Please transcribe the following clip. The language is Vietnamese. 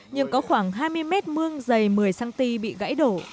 nhưng có khoảng hai mươi mét mương dày một mươi cm bị gãy đổ